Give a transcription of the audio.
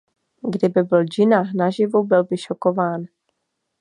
Kdyby byl Džinnah naživu, byl by šokován.